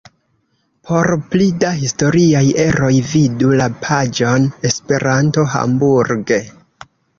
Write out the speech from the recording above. Por pli da historiaj eroj vidu la paĝon Esperanto-Hamburg.